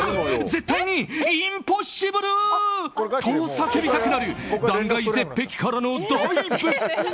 絶対にインポッシブル！と叫びたくなる断崖絶壁からのダイブ。